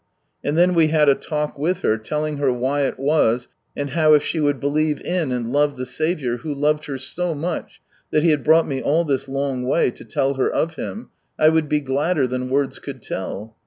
And then we had a talk with her, telling her why it was, and how, if she would beUeve in, and love the Saviour, who loved her so much that He had brought me all this long way, to tell her of Him, 1 would be gladder than words could tell.